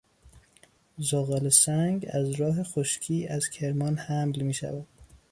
زغال سنگ از راه خشکی از کرمان حمل میشود.